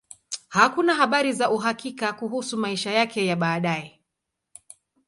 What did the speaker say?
Hakuna habari za uhakika kuhusu maisha yake ya baadaye.